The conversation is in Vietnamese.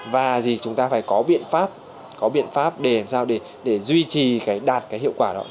và chúng ta phải có biện pháp để duy trì đạt hiệu quả đó